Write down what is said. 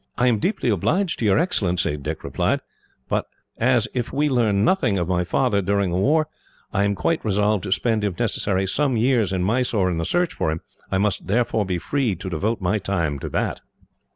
"I am deeply obliged to your Excellency," Dick replied, "but as, if we learn nothing of my father during the war, I am quite resolved to spend, if necessary, some years in Mysore in the search for him, I must therefore be free to devote my time to that."